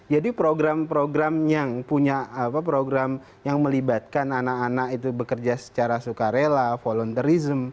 jadi program program yang punya apa program yang melibatkan anak anak itu bekerja secara sukarela voluntary